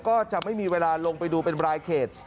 ก็จะไม่มีเวลาลงไปดูเป็นรายเขต